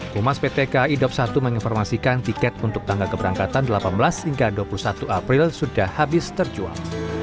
pumas ptk i dopsatu menginformasikan tiket untuk tangga keberangkatan delapan belas hingga dua puluh satu april sudah habis terjual